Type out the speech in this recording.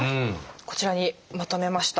こちらにまとめました。